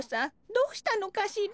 どうしたのかしら。